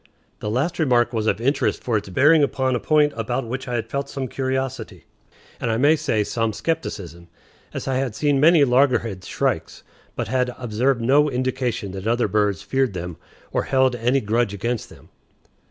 The last remark was of interest for its bearing upon a point about which I had felt some curiosity, and, I may say, some skepticism, as I had seen many loggerhead shrikes, but had observed no indication that other birds feared them or held any grudge against them.